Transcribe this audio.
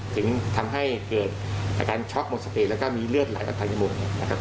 ถึงทำให้เกิดอาการช็อคมสเตรดและมีเลือดหลายประทับทั้งหมด